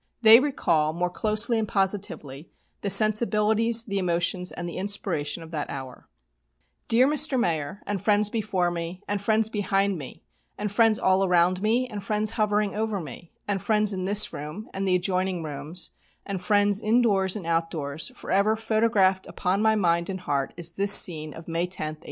They recall, more closely and positively, the sensibilities, the emotions, and the inspiration of that hour: "Dear Mr. Mayor, and friends before me, and friends behind me, and friends all around me, and friends hovering over me, and friends in this room, and the adjoining rooms, and friends indoors and outdoors forever photographed upon my mind and heart is this scene of May 10, 1894.